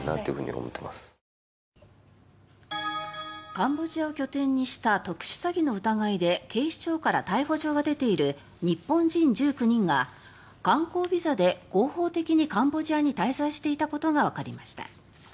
カンボジアを拠点にした特殊詐欺の疑いで警視庁が逮捕状が出ている日本人１９人が観光ビザで合法的にカンボジアに滞在していたことがわかりました。